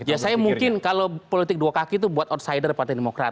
ya saya mungkin kalau politik dua kaki itu buat outsider partai demokrat